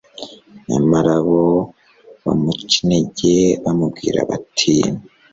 nyamara bo bamuca intege bamubwira bati